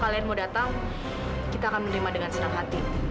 kalian mau datang kita akan menerima dengan senang hati